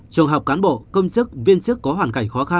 trường hợp cán bộ công chức viên chức có hoàn cảnh khó khăn